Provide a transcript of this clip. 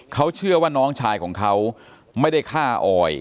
เขาเชื่อว่าน้องชายของเขาไม่ได้ฆ่าออย